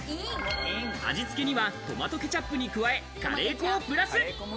味付けにはトマトケチャップに加え、カレー粉をプラス。